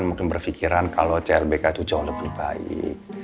mungkin berpikiran kalau clbk itu jauh lebih baik